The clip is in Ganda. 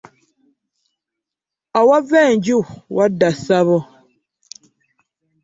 Awava enju wadda ssabo .